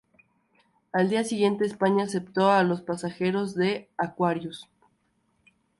Al día siguiente, España aceptó a los pasajeros del "Aquarius".